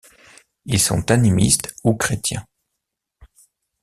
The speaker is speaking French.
Ils sont animistes ou chrétiens.